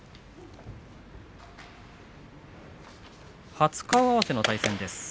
初顔合わせの対戦です。